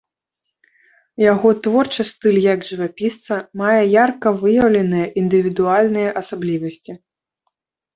Яго творчы стыль як жывапісца мае ярка выяўленыя індывідуальныя асаблівасці.